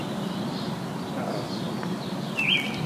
Ɛeffeṭ!